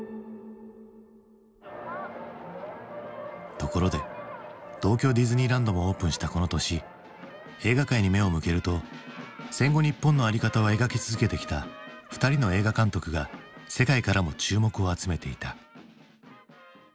ところで東京ディズニーランドもオープンしたこの年映画界に目を向けると戦後日本の在り方を描き続けてきた２人の映画監督が世界からも注目を集めていた。